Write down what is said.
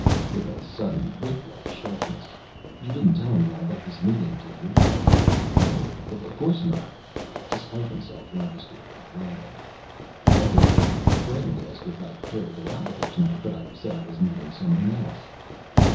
With a sudden whip like sharpness: "You didn't tell anyone about this meeting, did you?" "No, of course not." Despite himself, Lancaster was rattled. "That is, a friend asked if I'd care to go out with her tonight, but I said I was meeting someone else."